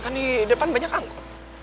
kan di depan banyak angkok